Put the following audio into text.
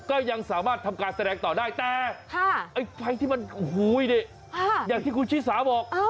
ก็ยังสามารถทำการแสดงต่อได้แต่ไอ้ไฟที่มันอย่างที่คุณชิสาบอก